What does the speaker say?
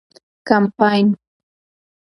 کمپاین